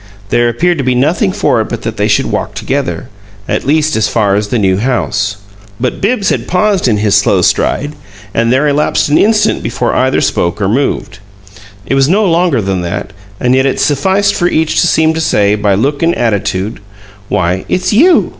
There appeared to be nothing for it but that they should walk together, at least as far as the New House. But Bibbs had paused in his slow stride, and there elapsed an instant before either spoke or moved it was no longer than that, and yet it sufficed for each to seem to say, by look and attitude, "Why, it's YOU!"